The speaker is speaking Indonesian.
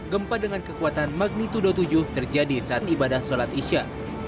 gempa dengan kekuatan magnitudo tujuh terjadi saat iban raya